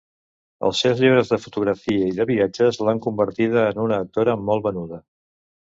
Els seus llibres de fotografia i de viatges l'han convertida en una actora molt venuda.